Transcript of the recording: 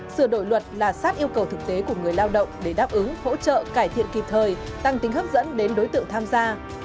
sửa đổi luật là sát yêu cầu thực tế của người lao động để đáp ứng hỗ trợ cải thiện kịp thời tăng tính hấp dẫn đến đối tượng tham gia